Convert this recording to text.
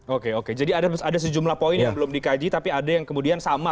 oke oke jadi ada sejumlah poin yang belum dikaji tapi ada yang kemudian sama